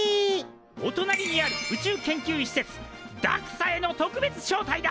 おとなりにある宇宙研究施設ＤＡＸＡへの特別招待だ！